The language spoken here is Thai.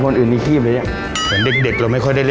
นี่เห็นมั้ย